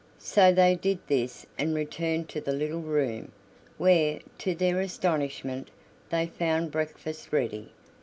So they did this and returned to the little room, where, to their astonishment, they found breakfast ready.